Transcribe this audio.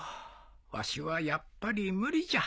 わしはやっぱり無理じゃ。